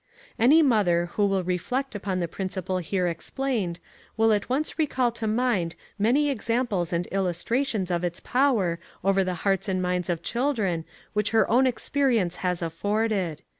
Any mother who will reflect upon the principle here explained will at once recall to mind many examples and illustrations of its power over the hearts and minds of children which her own experience has afforded.